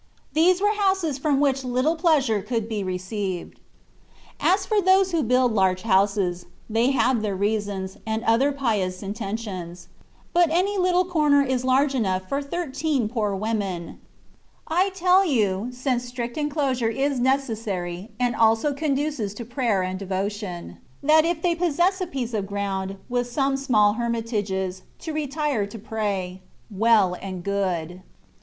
These were houses from which little pleasure could be received. As for those who build large houses, they have their reasons, and other pious intentions. But any little corner is large enough for thirteen poor women. I tell you (since strict enclosure is neces sary, and also conduces to prayer and devotion), that if they possess a piece of ground, with some small hermitages, to retire to prayer, well and good; THE WAY OF PERFECTION.